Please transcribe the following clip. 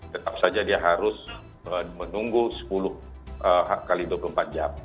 tetap saja dia harus menunggu sepuluh kali itu ke empat jam